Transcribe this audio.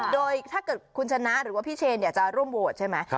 โดยถ้าเกิดคุณชนะหรือว่าพี่เชนจะร่วมโหวตใช่ไหม